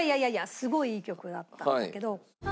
すごいいい曲だったんだけど。